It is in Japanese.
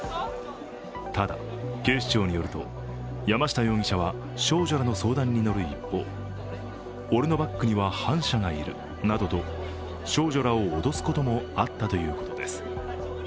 ただ、警視庁によると、山下容疑者は少女らの相談に乗る一方、俺のバックには反社がいるなどと少女らを脅すこともあったということです。